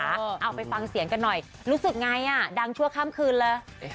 เออเอาไปฟังเสียงกันหน่อยรู้สึกไงอ่ะดังทั่วค่ำคืนล่ะ